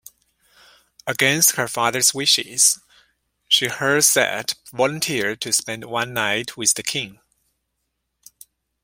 Against her father's wishes, Scheherazade volunteered to spend one night with the king.